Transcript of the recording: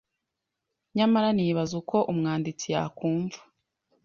Nyamara nibaza uko Umwanditsi yakumva